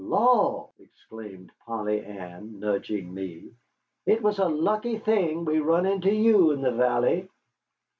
"Law!" exclaimed Polly Ann, nudging me, "it was a lucky thing we run into you in the valley."